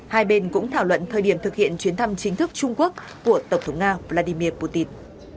hai bên cũng thảo luận thời điểm thực hiện chuyến thăm chính thức trung quốc của tổng thống nga vladimir putin